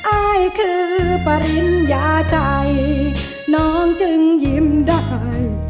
อายคือปริญญาใจน้องจึงยิ้มได้